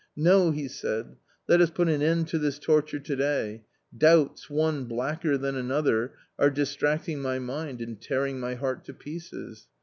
" No !" he said, " let us put an end to this torture to day ; doubts, one blacker than another, are distracting my mind and tearing my heart to pieces.